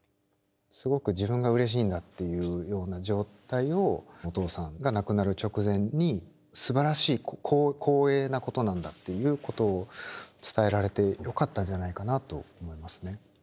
すごく自分がうれしいんだっていうような状態をお父さんが亡くなる直前にすばらしい光栄なことなんだっていうことを伝えられてよかったんじゃないかなと思いますね。